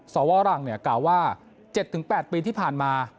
สวรังกล่าวว่า๗๘ปีที่ผ่านมา